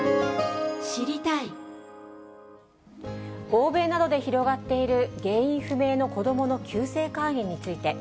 欧米などで広がっている原因不明の子どもの急性肝炎について。